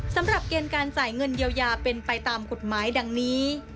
สำหรับเกณฑ์การจ่ายเงินเยียวยาเป็นไปตามกฎหมายดังนี้